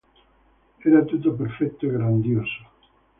Era tutto perfetto e grandioso.